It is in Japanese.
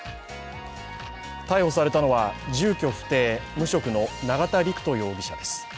逮捕されたのは、住居不定・無職の永田陸人容疑者です。